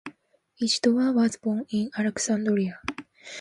Isidore was born in Alexandria.